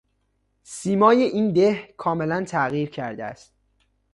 سیمای این ده کاملاً تغییر کرده است.